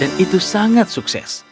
dan itu sangat sukses